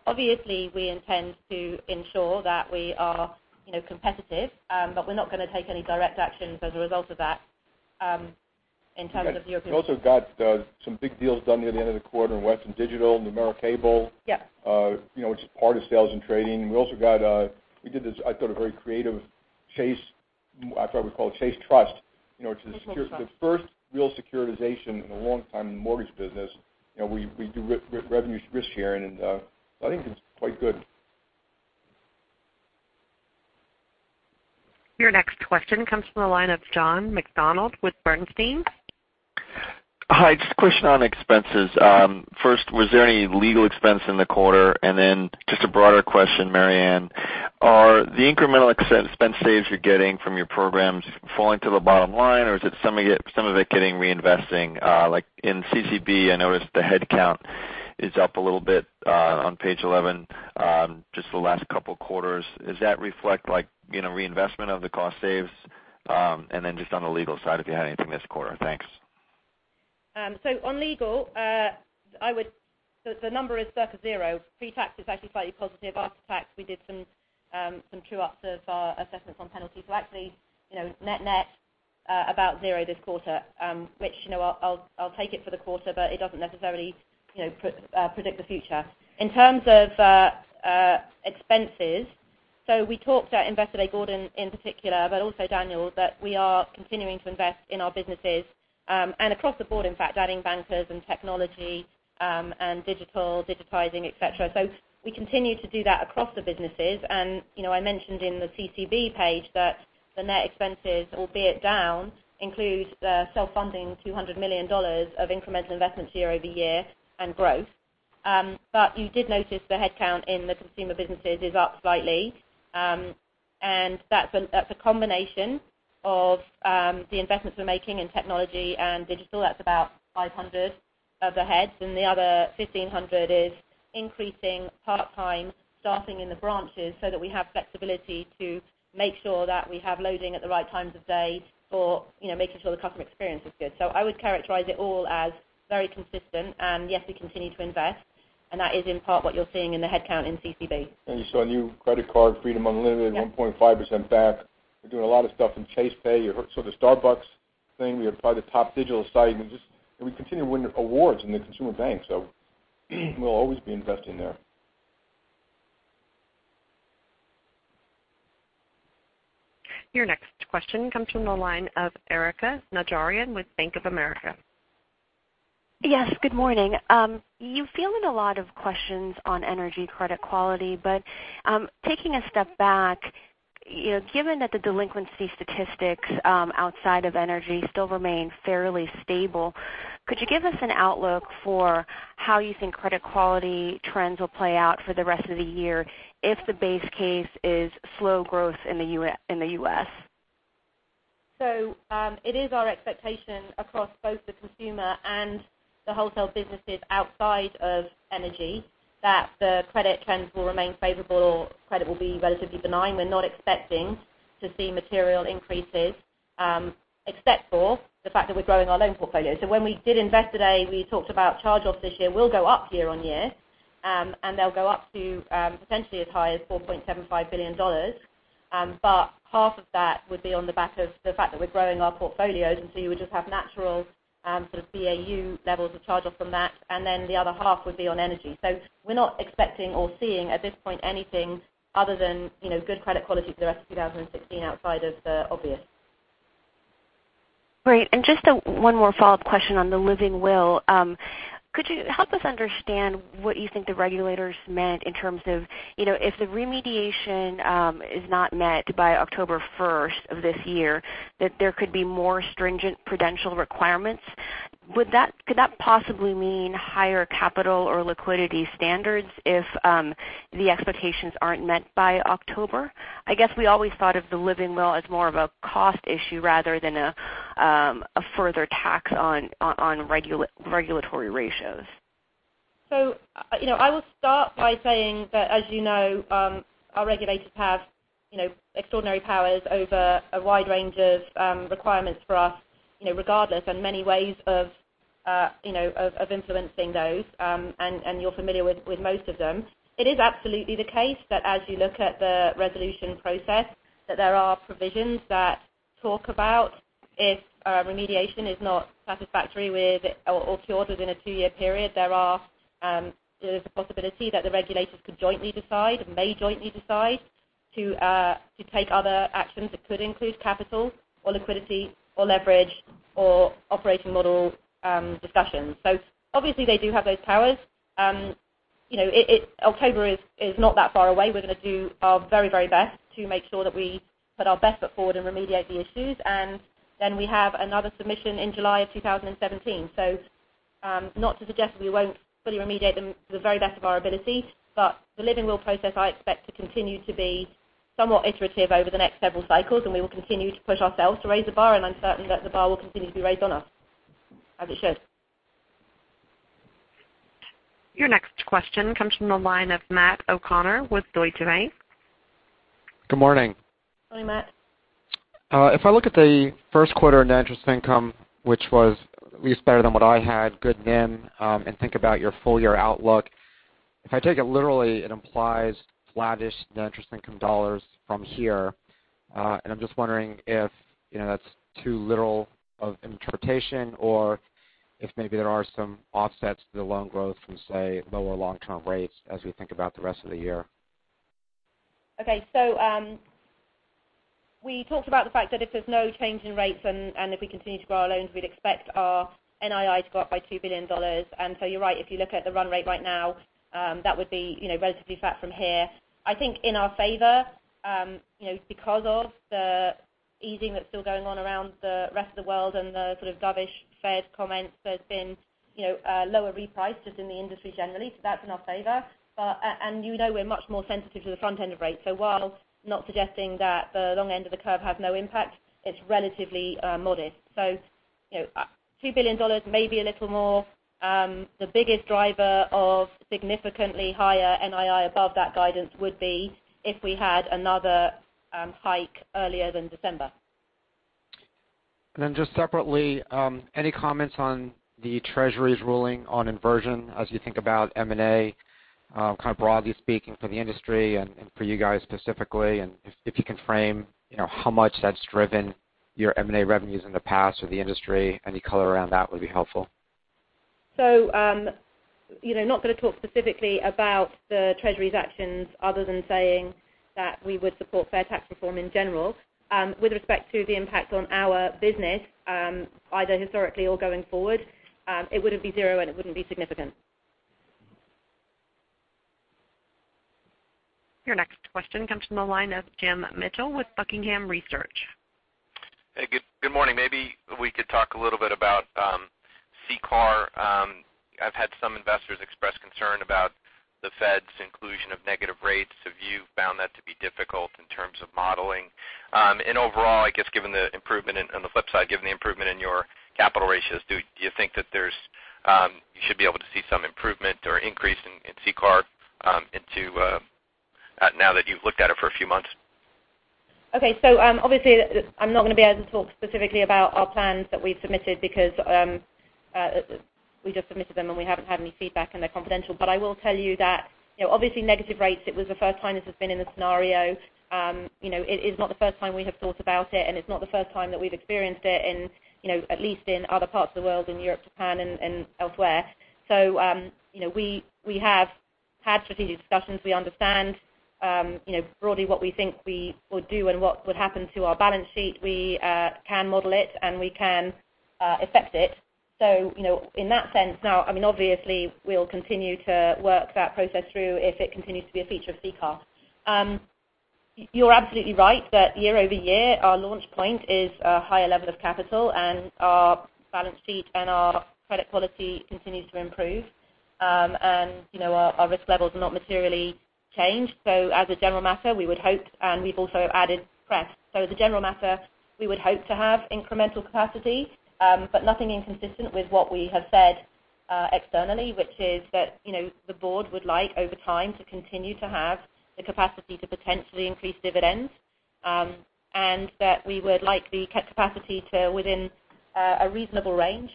Obviously we intend to ensure that we are competitive. We're not going to take any direct actions as a result of that in terms of the European- We also got some big deals done near the end of the quarter in Western Digital, Numericable. Yeah. Which is part of sales and trading. We also got, we did this, I thought a very creative Chase, I probably would call it Chase Trust. It's the first real securitization in a long time in the mortgage business. We do revenues risk sharing, and I think it's quite good. Your next question comes from the line of John McDonald with Bernstein. Hi. Just a question on expenses. First, was there any legal expense in the quarter? Then just a broader question, Marianne. Are the incremental expense saves you're getting from your programs falling to the bottom line, or is it some of it getting reinvesting? Like in CCB, I noticed the headcount is up a little bit on page 11, just the last couple of quarters. Does that reflect reinvestment of the cost saves? Then just on the legal side, if you had anything this quarter. Thanks. On legal, the number is circa zero. Pre-tax is actually slightly positive. After tax, we did some true-ups of our assessments on penalty. Actually, net about zero this quarter. Which I'll take it for the quarter, but it doesn't necessarily predict the future. In terms of expenses, we talked at Investor Day, Gordon in particular, but also Daniel, that we are continuing to invest in our businesses. Across the board, in fact, adding bankers and technology, and digital, digitizing, et cetera. We continue to do that across the businesses. I mentioned in the CCB page that the net expenses, albeit down, include self-funding $200 million of incremental investments year-over-year and growth. You did notice the headcount in the consumer businesses is up slightly. That's a combination of the investments we're making in technology and digital. That's about 500 of the heads. The other 1,500 is increasing part-time staffing in the branches so that we have flexibility to make sure that we have loading at the right times of day for making sure the customer experience is good. I would characterize it all as very consistent. Yes, we continue to invest, and that is in part what you're seeing in the headcount in CCB. You saw a new credit card, Chase Freedom Unlimited, 1.5% back. We're doing a lot of stuff in Chase Pay. You saw the Starbucks thing. We applied the top digital site, and we continue to win awards in the consumer bank. We'll always be investing there. Your next question comes from the line of Erika Najarian with Bank of America. Yes, good morning. You're fielding a lot of questions on energy credit quality, but taking a step back, given that the delinquency statistics outside of energy still remain fairly stable, could you give us an outlook for how you think credit quality trends will play out for the rest of the year if the base case is slow growth in the U.S.? It is our expectation across both the consumer and the wholesale businesses outside of energy that the credit trends will remain favorable or credit will be relatively benign. We're not expecting to see material increases except for the fact that we're growing our loan portfolio. When we did Investor Day, we talked about charge-offs this year will go up year-over-year. They'll go up to potentially as high as $4.75 billion. Half of that would be on the back of the fact that we're growing our portfolios. You would just have natural BAU levels of charge-off from that, and then the other half would be on energy. We're not expecting or seeing at this point anything other than good credit quality for the rest of 2016 outside of the obvious. Great. Just one more follow-up question on the living will. Could you help us understand what you think the regulators meant in terms of if the remediation is not met by October 1st of this year, that there could be more stringent prudential requirements? Could that possibly mean higher capital or liquidity standards if the expectations aren't met by October? I guess we always thought of the living will as more of a cost issue rather than a further tax on regulatory ratios. I will start by saying that as you know, our regulators have extraordinary powers over a wide range of requirements for us regardless, and many ways of influencing those. You're familiar with most of them. It is absolutely the case that as you look at the resolution process, that there are provisions that talk about if a remediation is not satisfactory with or cured within a two-year period, there is a possibility that the regulators could jointly decide or may jointly decide to take other actions that could include capital, or liquidity, or leverage, or operation model discussions. Obviously they do have those powers. October is not that far away. We're going to do our very best to make sure that we put our best foot forward and remediate the issues. We have another submission in July of 2017. Not to suggest that we won't fully remediate them to the very best of our ability, but the living will process I expect to continue to be somewhat iterative over the next several cycles, and we will continue to push ourselves to raise the bar, and I'm certain that the bar will continue to be raised on us, as it should. Your next question comes from the line of Matt O'Connor with Deutsche Bank. Good morning. Good morning, Matt. If I look at the first quarter net interest income, which was at least better than what I had, good NIM, and think about your full-year outlook. If I take it literally, it implies flattish net interest income dollars from here. I'm just wondering if that's too literal of interpretation or if maybe there are some offsets to the loan growth from, say, lower long-term rates as we think about the rest of the year. Okay. We talked about the fact that if there's no change in rates and if we continue to grow our loans, we'd expect our NII to go up by $2 billion. You're right, if you look at the run rate right now, that would be relatively flat from here. I think in our favor because of the easing that's still going on around the rest of the world and the sort of dovish Fed comments, there's been lower reprice just in the industry generally. That's in our favor. You know we're much more sensitive to the front end of rates. While not suggesting that the long end of the curve has no impact, it's relatively modest. $2 billion, maybe a little more. The biggest driver of significantly higher NII above that guidance would be if we had another hike earlier than December. Just separately, any comments on the Treasury's ruling on inversion as you think about M&A, kind of broadly speaking for the industry and for you guys specifically, if you can frame how much that's driven your M&A revenues in the past or the industry. Any color around that would be helpful. I'm not going to talk specifically about the Treasury's actions other than saying that we would support fair tax reform in general. With respect to the impact on our business, either historically or going forward, it would have been zero and it wouldn't be significant. Your next question comes from the line of Jim Mitchell with Buckingham Research. Hey, good morning. Maybe we could talk a little bit about CCAR. I've had some investors express concern about the Fed's inclusion of negative rates. Have you found that to be difficult in terms of modeling? Overall, I guess, on the flip side, given the improvement in your capital ratios, do you think that you should be able to see some improvement or increase in CCAR now that you've looked at it for a few months? Obviously I'm not going to be able to talk specifically about our plans that we've submitted because we just submitted them and we haven't had any feedback and they're confidential. I will tell you that, obviously negative rates, it was the first time this has been in the scenario. It is not the first time we have thought about it, and it's not the first time that we've experienced it, at least in other parts of the world, in Europe, Japan and elsewhere. We have had strategic discussions. We understand broadly what we think we will do and what would happen to our balance sheet. We can model it and we can affect it. In that sense now, obviously we'll continue to work that process through if it continues to be a feature of CCAR. You're absolutely right that year-over-year, our launch point is a higher level of capital and our balance sheet and our credit quality continues to improve. Our risk levels are not materially changed. As a general matter, we would hope, and we've also added CREF. As a general matter, we would hope to have incremental capacity. Nothing inconsistent with what we have said externally, which is that the board would like over time to continue to have the capacity to potentially increase dividends. That we would like the capacity to, within a reasonable range,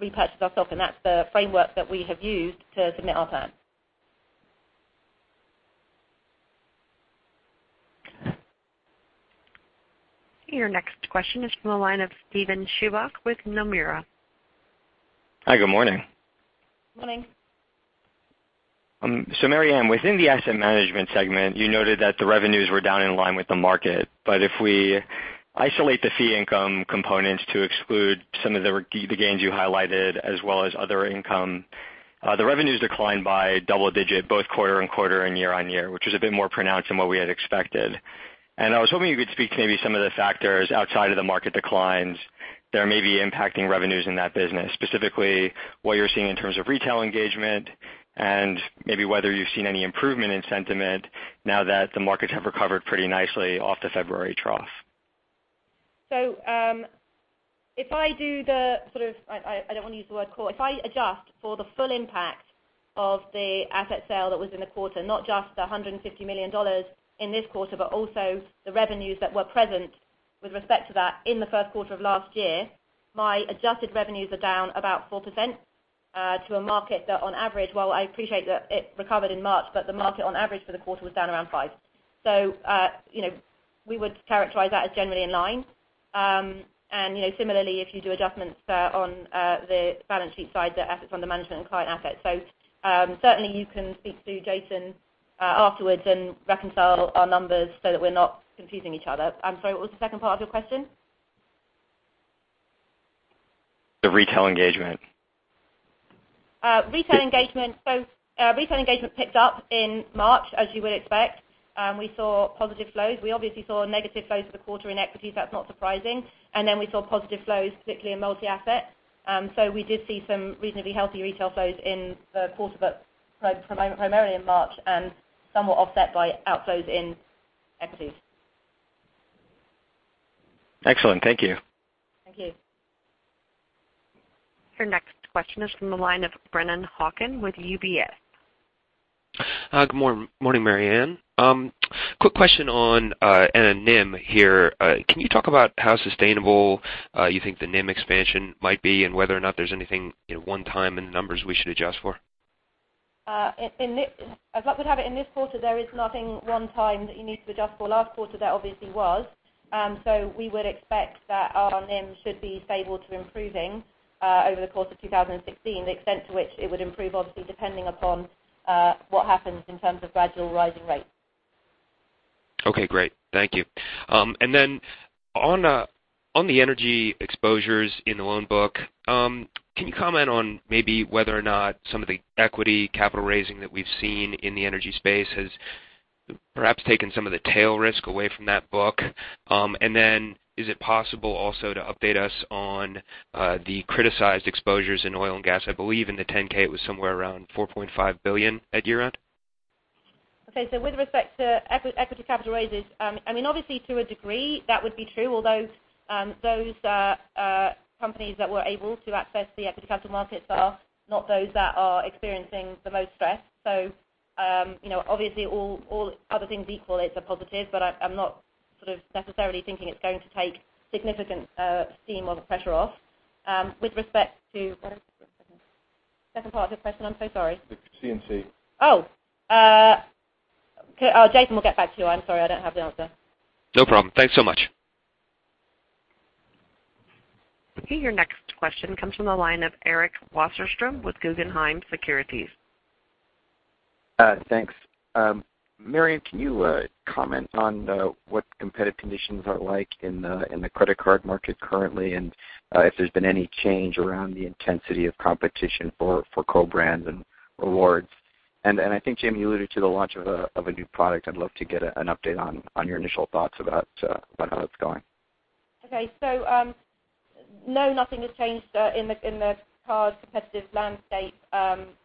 repurchase our stock, and that's the framework that we have used to submit our plans. Your next question is from the line of Steven Chubak with Nomura. Hi, good morning. Morning. Marianne, within the asset management segment, you noted that the revenues were down in line with the market. But if we isolate the fee income components to exclude some of the gains you highlighted as well as other income, the revenues declined by double-digit both quarter-on-quarter and year-on-year, which was a bit more pronounced than what we had expected. I was hoping you could speak to maybe some of the factors outside of the market declines that are maybe impacting revenues in that business, specifically what you're seeing in terms of retail engagement and maybe whether you've seen any improvement in sentiment now that the markets have recovered pretty nicely off the February trough. If I do, I don't want to use the word core. If I adjust for the full impact of the asset sale that was in the quarter, not just the $150 million in this quarter, but also the revenues that were present with respect to that in the first quarter of last year, my adjusted revenues are down about 4% to a market that on average-- while I appreciate that it recovered in March, but the market on average for the quarter was down around 5%. We would characterize that as generally in line. Similarly, if you do adjustments on the balance sheet side, the assets under management and client assets. Certainly you can speak to Jason afterwards and reconcile our numbers so that we're not confusing each other. I'm sorry, what was the second part of your question? The retail engagement. Retail engagement. Retail engagement picked up in March, as you would expect. We saw positive flows. We obviously saw negative flows for the quarter in equities. That's not surprising. We saw positive flows, particularly in multi-asset. We did see some reasonably healthy retail flows in the quarter, but primarily in March, and somewhat offset by outflows in equities. Excellent. Thank you. Thank you. Your next question is from the line of Brennan Hawken with UBS. Good morning, Marianne. Quick question on NIM here. Can you talk about how sustainable you think the NIM expansion might be and whether or not there's anything one-time in the numbers we should adjust for? As luck would have it, in this quarter, there is nothing one-time that you need to adjust for. Last quarter, there obviously was. We would expect that our NIM should be stable to improving over the course of 2016. The extent to which it would improve, obviously depending upon what happens in terms of gradual rising rates. Okay, great. Thank you. On the energy exposures in the loan book, can you comment on maybe whether or not some of the equity capital raising that we've seen in the energy space has perhaps taken some of the tail risk away from that book? Is it possible also to update us on the criticized exposures in oil and gas? I believe in the 10-K it was somewhere around $4.5 billion at year-end. Okay. With respect to equity capital raises, obviously to a degree that would be true. Although, those companies that were able to access the equity capital markets are not those that are experiencing the most stress. Obviously all other things equal, it's a positive, but I'm not necessarily thinking it's going to take significant steam or the pressure off. With respect to, what was the second part of the question? I'm so sorry. The SNC. Oh. Jason, we'll get back to you. I'm sorry, I don't have the answer. No problem. Thanks so much. Okay, your next question comes from the line of Eric Wasserstrom with Guggenheim Securities. Thanks. Marianne, can you comment on what competitive conditions are like in the credit card market currently, and if there's been any change around the intensity of competition for co-brands and rewards? I think, Jamie, you alluded to the launch of a new product. I'd love to get an update on your initial thoughts about how that's going. Okay. No, nothing has changed in the card competitive landscape,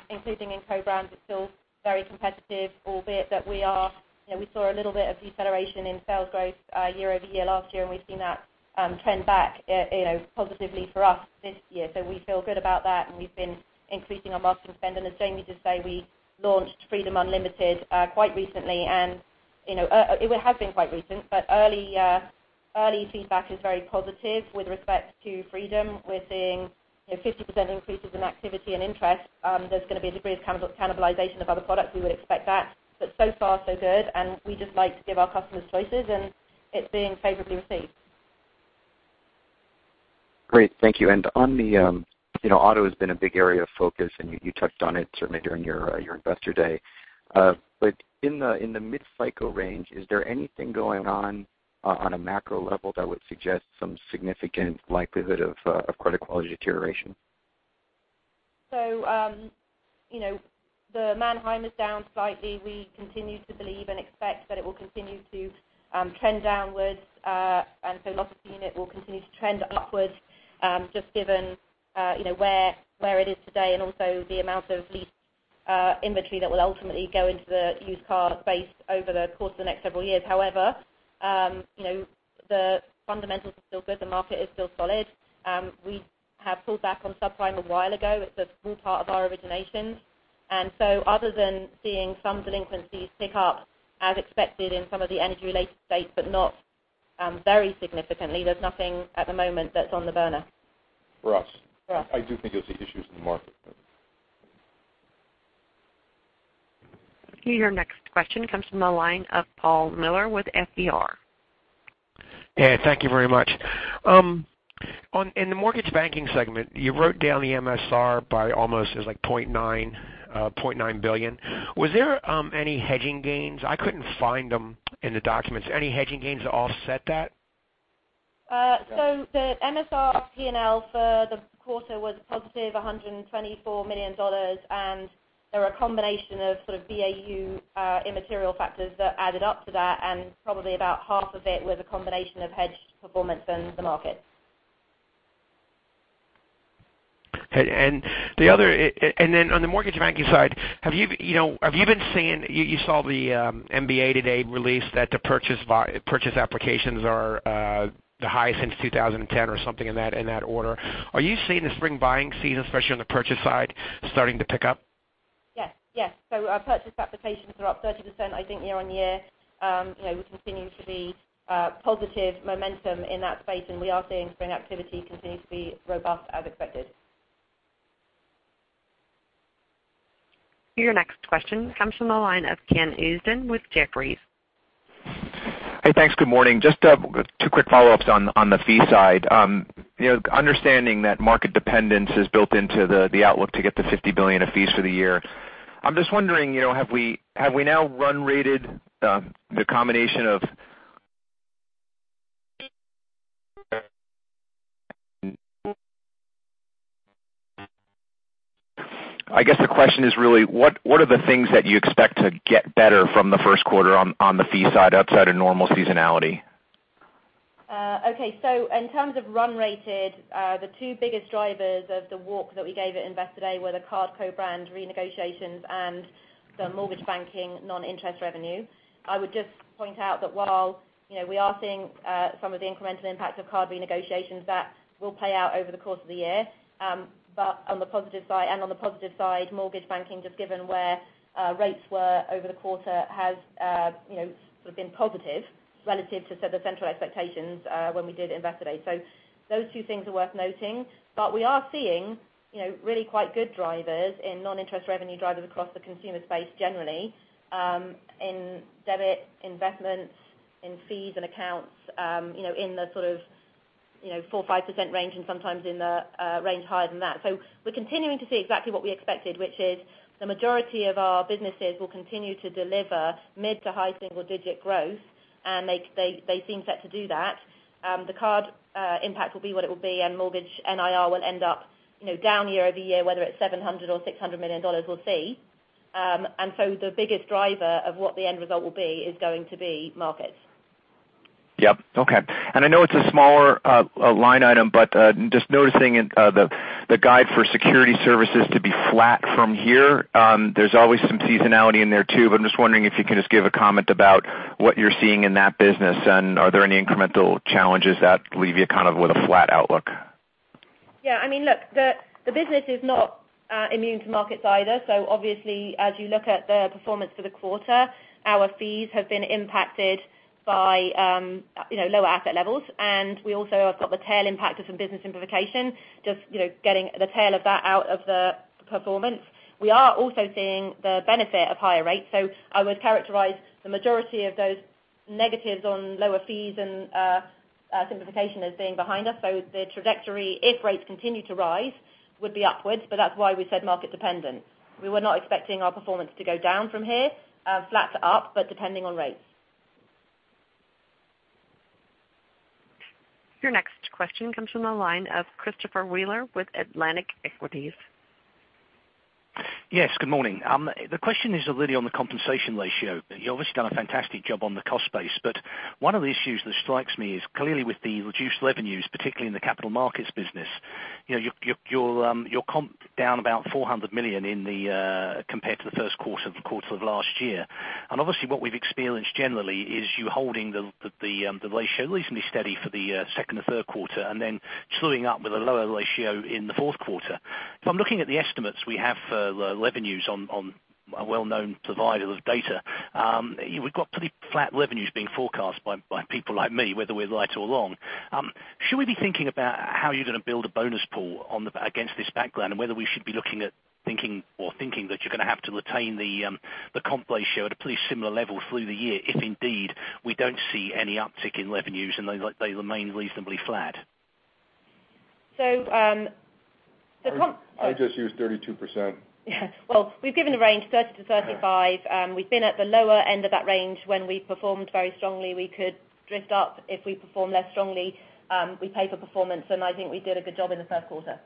including in co-brands. It's still very competitive, albeit that we saw a little bit of deceleration in sales growth year-over-year last year. We've seen that trend back positively for us this year. We feel good about that, and we've been increasing our marketing spend. As Jamie just said, we launched Freedom Unlimited quite recently and it has been quite recent, but early feedback is very positive with respect to Freedom. We're seeing 50% increases in activity and interest. There's going to be a degree of cannibalization of other products. We would expect that, but so far so good, and we just like to give our customers choices, and it's being favorably received. Great. Thank you. On the auto has been a big area of focus, and you touched on it certainly during your Investor Day. In the mid-cycle range, is there anything going on a macro level that would suggest some significant likelihood of credit quality deterioration? The Manheim is down slightly. We continue to believe and expect that it will continue to trend downwards. Loss per unit will continue to trend upwards, just given where it is today and also the amount of leased inventory that will ultimately go into the used car space over the course of the next several years. However, the fundamentals are still good. The market is still solid. We have pulled back on subprime a while ago. It's a small part of our originations. Other than seeing some delinquencies tick up as expected in some of the energy-related states, but not very significantly, there's nothing at the moment that's on the burner. For us. For us. I do think you'll see issues in the market. Your next question comes from the line of Paul Miller with FBR. Hey, thank you very much. In the mortgage banking segment, you wrote down the MSR by almost, it was like $0.9 billion. Was there any hedging gains? I couldn't find them in the documents. Any hedging gains to offset that? The MSR P&L for the quarter was a positive $124 million, and there were a combination of BAU immaterial factors that added up to that, and probably about half of it was a combination of hedge performance and the market. Okay. On the mortgage banking side, you saw the MBA today release that the purchase applications are the highest since 2010 or something in that order. Are you seeing the spring buying season, especially on the purchase side, starting to pick up? Yes. Our purchase applications are up 30%, I think, year-on-year. We're continuing to see positive momentum in that space, and we are seeing spring activity continue to be robust as expected. Your next question comes from the line of Ken Usdin with Jefferies. Hey, thanks. Good morning. Just two quick follow-ups on the fee side. Understanding that market dependence is built into the outlook to get to $50 billion of fees for the year, I'm just wondering, have we now run rated the combination of I guess the question is really, what are the things that you expect to get better from the first quarter on the fee side outside of normal seasonality? In terms of run rated, the two biggest drivers of the walk that we gave at Investor Day were the card co-brand renegotiations and the mortgage banking non-interest revenue. I would just point out that while we are seeing some of the incremental impact of card renegotiations, that will play out over the course of the year. On the positive side, mortgage banking, just given where rates were over the quarter, has been positive relative to sort of central expectations when we did Investor Day. Those two things are worth noting. We are seeing really quite good drivers in non-interest revenue drivers across the consumer space generally, in debit, investments, in fees and accounts, in the sort of 4%, 5% range and sometimes in the range higher than that. We're continuing to see exactly what we expected, which is the majority of our businesses will continue to deliver mid to high single-digit growth They seem set to do that. The card impact will be what it will be, and mortgage NIR will end up down year-over-year, whether it's $700 million or $600 million, we'll see. The biggest driver of what the end result will be is going to be markets. Yep. Okay. I know it's a smaller line item, but just noticing the guide for security services to be flat from here. There's always some seasonality in there too, but I'm just wondering if you can just give a comment about what you're seeing in that business, and are there any incremental challenges that leave you with a flat outlook? Yeah. Look, the business is not immune to markets either. Obviously, as you look at the performance for the quarter, our fees have been impacted by lower asset levels. We also have got the tail impact of some business simplification, just getting the tail of that out of the performance. We are also seeing the benefit of higher rates. I would characterize the majority of those negatives on lower fees and simplification as being behind us. The trajectory, if rates continue to rise, would be upwards, but that's why we said market dependent. We were not expecting our performance to go down from here, flat to up, but depending on rates. Your next question comes from the line of Christopher Wheeler with Atlantic Equities. Yes, good morning. The question is really on the compensation ratio. You've obviously done a fantastic job on the cost base, but one of the issues that strikes me is clearly with the reduced revenues, particularly in the capital markets business, your comp down about $400 million compared to the first quarter of last year. Obviously what we've experienced generally is you holding the ratio reasonably steady for the second or third quarter and then truing up with a lower ratio in the fourth quarter. I'm looking at the estimates we have for the revenues on a well-known provider of data. We've got pretty flat revenues being forecast by people like me, whether we're right or wrong. Should we be thinking about how you're going to build a bonus pool against this background and whether we should be looking at thinking or thinking that you're going to have to retain the comp ratio at a pretty similar level through the year if indeed we don't see any uptick in revenues and they remain reasonably flat? So- I just used 32%. Yeah. Well, we've given the range 30%-35%. We've been at the lower end of that range. When we performed very strongly, we could drift up. If we perform less strongly, we pay for performance. I think we did a good job in the first quarter.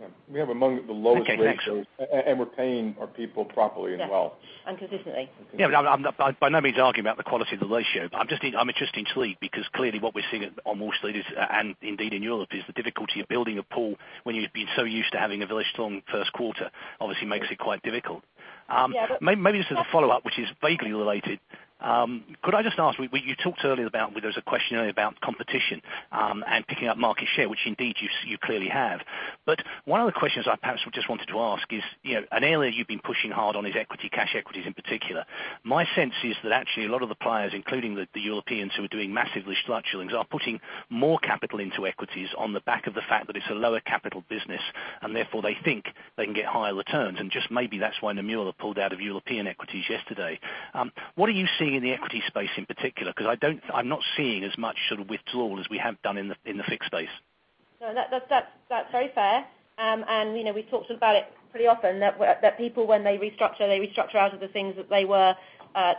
Yeah. We have among the lowest ratios- Okay, thanks We're paying our people properly and well. Yes. Consistently. Yeah. By no means arguing about the quality of the ratio, but I'm interested in sleep because clearly what we're seeing on Wall Street and indeed in Europe is the difficulty of building a pool when you've been so used to having a very strong first quarter obviously makes it quite difficult. Yeah. Maybe this is a follow-up, which is vaguely related. Could I just ask, you talked earlier about, there was a question earlier about competition and picking up market share, which indeed you clearly have. One of the questions I perhaps just wanted to ask is, an area you've been pushing hard on is equity, cash equities in particular. My sense is that actually a lot of the players, including the Europeans who are doing massively structural things, are putting more capital into equities on the back of the fact that it's a lower capital business, and therefore they think they can get higher returns. Just maybe that's why Nomura pulled out of European equities yesterday. What are you seeing in the equity space in particular? Because I'm not seeing as much sort of withdrawal as we have done in the fixed space. No, that's very fair. We've talked about it pretty often that people, when they restructure, they restructure out of the things that they were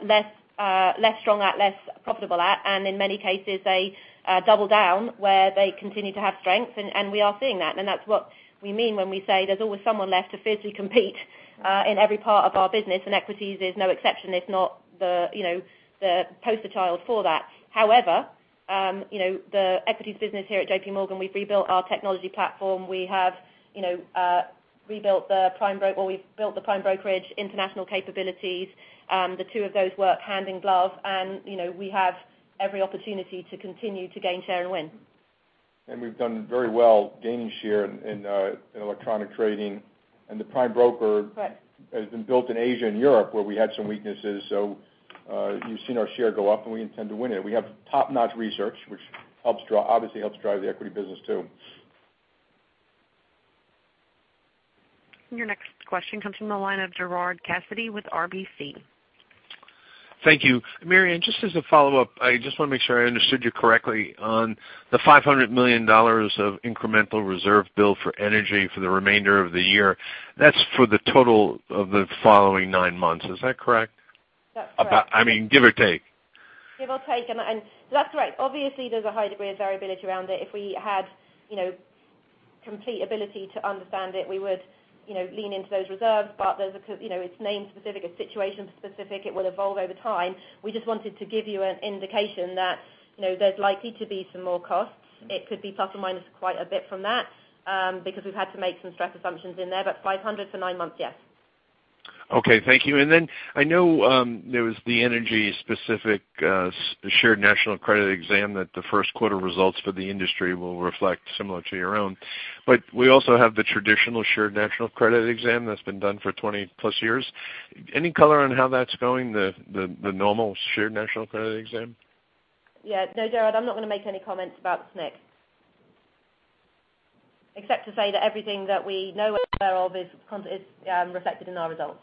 less strong at, less profitable at. In many cases, they double down where they continue to have strength. We are seeing that. That's what we mean when we say there's always someone left to fiercely compete in every part of our business. Equities is no exception. It's not the poster child for that. However, the equities business here at JPMorgan, we've rebuilt our technology platform. We've built the prime brokerage international capabilities. The two of those work hand in glove. We have every opportunity to continue to gain share and win. We've done very well gaining share in electronic trading. Correct has been built in Asia and Europe, where we had some weaknesses. You've seen our share go up, and we intend to win it. We have top-notch research, which obviously helps drive the equity business too. Your next question comes from the line of Gerard Cassidy with RBC. Thank you. Marianne, just as a follow-up, I just want to make sure I understood you correctly on the $500 million of incremental reserve bill for energy for the remainder of the year. That's for the total of the following nine months. Is that correct? That's correct. I mean, give or take. Give or take. That's right. Obviously, there's a high degree of variability around it. If we had complete ability to understand it, we would lean into those reserves. It's name specific, it's situation specific. It will evolve over time. We just wanted to give you an indication that there's likely to be some more costs. It could be plus or minus quite a bit from that because we've had to make some stress assumptions in there. $500 for nine months, yes. Okay, thank you. Then I know there was the energy specific Shared National Credit exam that the first quarter results for the industry will reflect similar to your own. We also have the traditional Shared National Credit exam that's been done for 20 plus years. Any color on how that's going, the normal Shared National Credit exam? Yeah. No, Gerard, I'm not going to make any comments about SNC, except to say that everything that we know and are aware of is reflected in our results.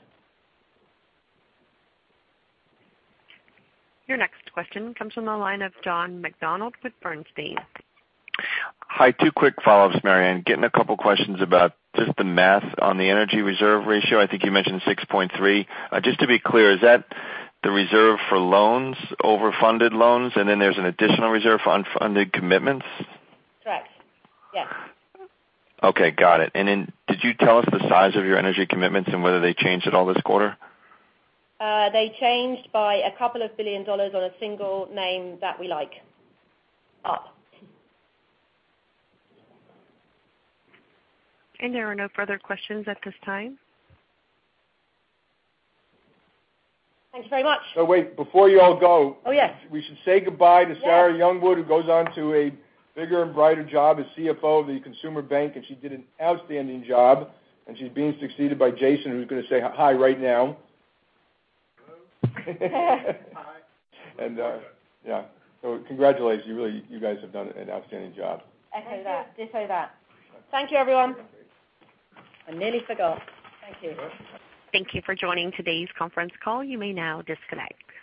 Your next question comes from the line of John McDonald with Bernstein. Hi, two quick follow-ups, Marianne. Getting a couple questions about just the math on the energy reserve ratio. I think you mentioned 6.3. Just to be clear, is that the reserve for loans over funded loans, and then there's an additional reserve for unfunded commitments? Correct. Yes. Okay, got it. Then did you tell us the size of your energy commitments and whether they changed at all this quarter? They changed by a couple of billion dollars on a single name that we like. Up. There are no further questions at this time. Thanks very much. Oh, wait. Oh, yes we should say goodbye to Sarah Youngwood, who goes on to a bigger and brighter job as CFO of the consumer bank. She did an outstanding job. She's being succeeded by Jason, who's going to say hi right now. Hello. Hi. Yeah. Congratulations. You guys have done an outstanding job. Echo that. Thank you. Just echo that. Thank you, everyone. I nearly forgot. Thank you. Thank you for joining today's conference call. You may now disconnect. Thank you.